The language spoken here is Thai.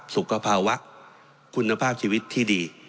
สุขภาวะคุณภาพชีวิตที่ดี